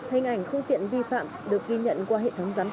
hình ảnh phương tiện vi phạm được ghi nhận qua hệ thống giám sát